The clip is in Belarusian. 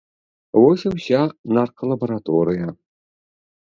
Вось і ўся наркалабараторыя.